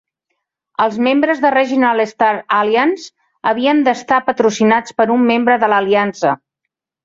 Els membres de Regional Star Alliance havien d'estar patrocinats per un membre de l'aliança.